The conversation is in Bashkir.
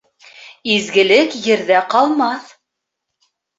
Изгелек ерҙә ҡалмаҫ.